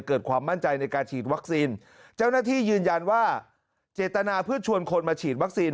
เกิดความมั่นใจในการฉีดวัคซีนเจ้าหน้าที่ยืนยันว่าเจตนาเพื่อชวนคนมาฉีดวัคซีน